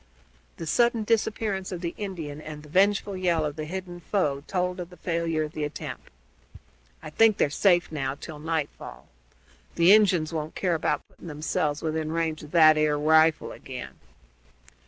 The sudden disappearance of the Indian and the vengeful yell of the hidden foe told of the failure of the attempt. "I think they're safe, now, till nightfall. The Injuns won't care about putting themselves within range of that 'ere rifle again."